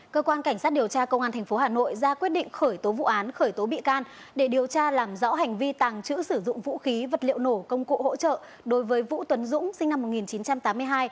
cơ quan cảnh sát điều tra công an tp hà nội ra quyết định khởi tố vụ án khởi tố bị can để điều tra làm rõ hành vi tàng trữ sử dụng vũ khí vật liệu nổ công cụ hỗ trợ đối với vũ tuấn dũng sinh năm một nghìn chín trăm tám mươi hai